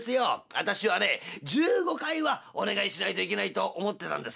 私はね１５回はお願いしないといけないと思ってたんですよ」。